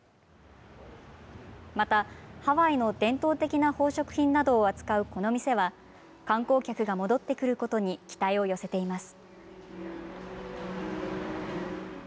また、ハワイの伝統的な宝飾品などを扱うこの店は、観光客が戻ってくることに期待を寄せています。